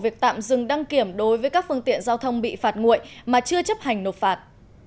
việc tạm dừng đăng kiểm đối với các phương tiện giao thông bị phạt nguội mà chưa chấp hành nộp phạt